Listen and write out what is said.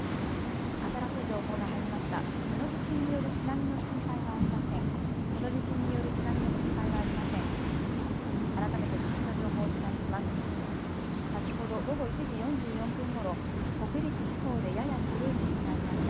新しい情報が入りました。